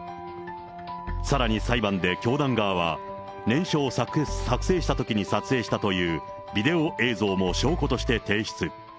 さらに裁判で教団側は、念書を作成したときに撮影したというビデオ映像も証拠として提出。